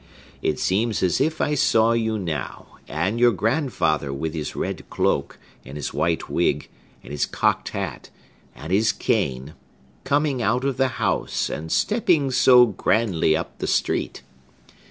It seems as if I saw you now; and your grandfather with his red cloak, and his white wig, and his cocked hat, and his cane, coming out of the house, and stepping so grandly up the street!